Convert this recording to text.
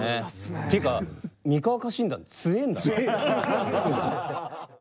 っていうか三河家臣団強えんだなって。